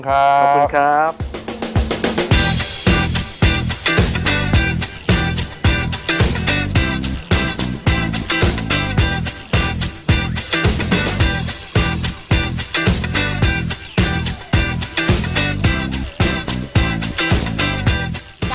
ครับ